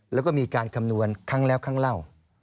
แล้วก็มีการคำนวณครั้งแล้วครั้งเล่า